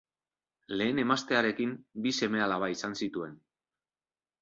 Lehen emaztearekin bi seme-alaba izan zituen.